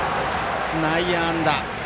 内野安打。